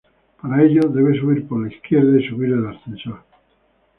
Para ello, debes huir por la izquierda y subir al ascensor.